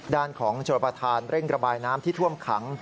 ด้านของชนประธานเร่งระบายน้ำที่ท่วมขัง